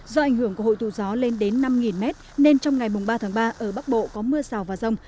do ảnh hưởng của hội tụ gió lên đến năm m nên trong ngày ba tháng ba ở bắc bộ có mưa rào và rông